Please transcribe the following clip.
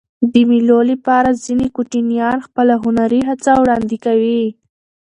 د مېلو له پاره ځيني کوچنيان خپله هنري هڅه وړاندي کوي.